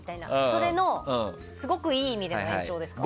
それのすごくいい意味での延長ですか？